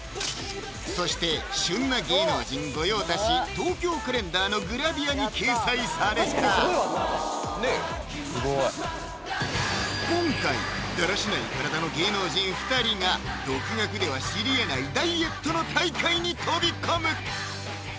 そして旬な芸能人御用達「東京カレンダー」のグラビアに掲載された今回だらしない体の芸能人２人が独学では知りえないえ